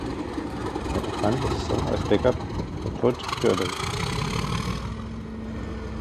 Er begann die Saison als Backup für Todd Gurley.